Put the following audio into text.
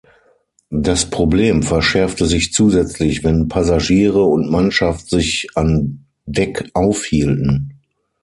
Das Problem verschärfte sich zusätzlich, wenn Passagiere und Mannschaft sich an Deck aufhielten.